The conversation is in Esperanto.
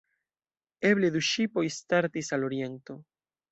Eble du ŝipoj startis al Oriento.